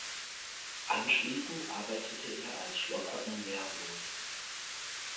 Anschließend arbeitete er als Schlosser in Werdohl.